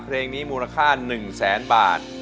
เพลงนี้มูลค่า๑แสนบาท